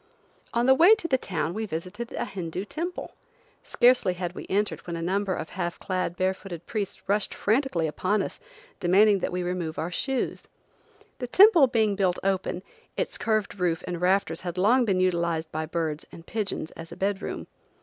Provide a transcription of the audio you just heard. On the way to the town we visited a Hindoo temple. Scarcely had we entered when a number of half clad, bare footed priests rushed frantically upon us, demanding that we remove our shoes. The temple being built open, its curved roof and rafters had long been utilized by birds and pigeons as a bed room.